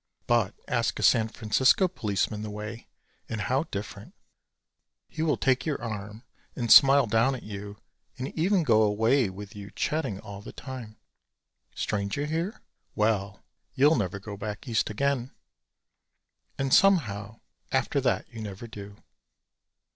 But ask a San Francisco policeman the way and how different. He will take your arm and smile down at you and even go away with you chatting all the time "Stranger here? Well, you'll never go back East again." And somehow after that you never do.